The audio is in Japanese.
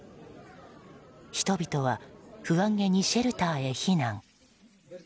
人々は不安げにシェルターへ避難。